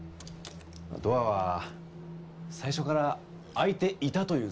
ドアは最初から開いていたという設定で。